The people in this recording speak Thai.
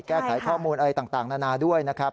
แก้ไขข้อมูลอะไรต่างนานาด้วยนะครับ